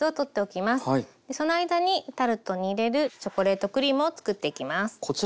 その間にタルトに入れるチョコレートクリームをつくっていきます。